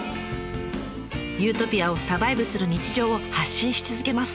ユートピアをサバイブする日常を発信し続けます。